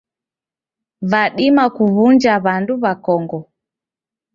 Vadima kuw'unja w'andu w'akongo.